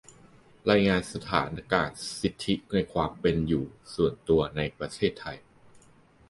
รายงานสถานการณ์สิทธิในความเป็นอยู่ส่วนตัวในประเทศไทย